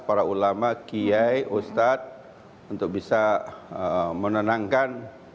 para ulama kiai ustadz untuk bisa menenangkan